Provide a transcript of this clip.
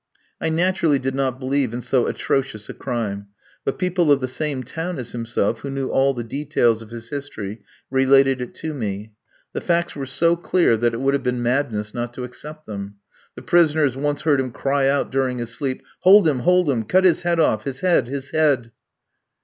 I naturally did not believe in so atrocious a crime; but people of the same town as himself, who knew all the details of his history, related it to me. The facts were so clear that it would have been madness not to accept them. The prisoners once heard him cry out during his sleep: "Hold him! hold him! Cut his head off, his head, his head!"